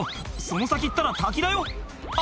その先行ったら滝だよ！